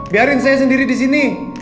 biarin saya sendiri disini